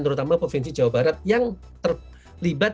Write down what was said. terutama provinsi jawa barat yang terlibat